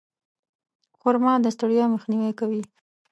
خرما د ستړیا مخنیوی کوي.